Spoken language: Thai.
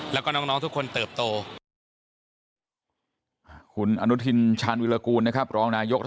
แล้วก็น้องทุกคนเติบโต